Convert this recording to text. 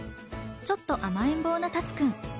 ちょっと甘えんぼうなタツくん。